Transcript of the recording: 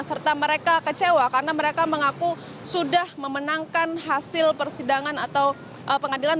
serta mereka kecewa karena mereka mengaku sudah memenangkan hasil persidangan atau pengadilan